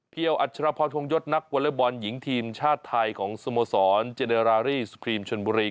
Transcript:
เพียวอัชรพรทรงยศนักวัลยบอลหญิงทีมชาติไทยของสมสรรค์เจเนอรารีสปรีมชนบุรี